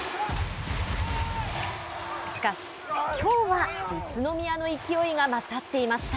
しかし、きょうは宇都宮の勢いが勝っていました。